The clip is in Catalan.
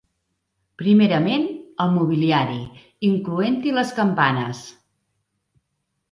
Primerament, el mobiliari, incloent-hi les campanes.